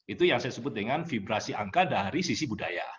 itu yang saya sebut dengan vibrasi angka dari sisi budaya